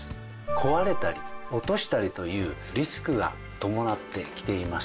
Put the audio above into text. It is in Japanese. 壊れたり落としたりというリスクが伴ってきています。